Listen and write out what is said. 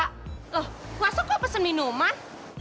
loh masuk kok pesen minuman